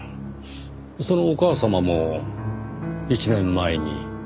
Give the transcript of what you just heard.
そのお母様も１年前に他界。